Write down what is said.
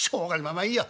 まあいいよ。